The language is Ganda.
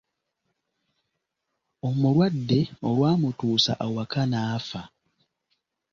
Omulwadde olwamutuusa awaka n'afa!